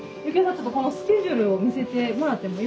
ちょっとこのスケジュールを見せてもらってもよい？